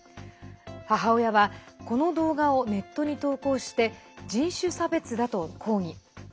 母親は、この動画をネットに投稿して人種差別だと抗議。